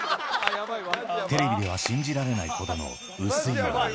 テレビでは信じられないほどの薄い笑い。